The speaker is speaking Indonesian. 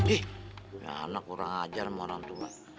ih ya anak kurang ajar sama orang tua